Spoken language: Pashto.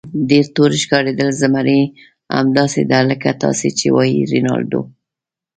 ډېر تور ښکارېدل، زمري: همداسې ده لکه تاسې چې وایئ رینالډو.